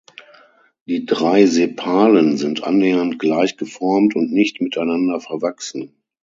Die drei Sepalen sind annähernd gleich geformt und nicht miteinander verwachsen.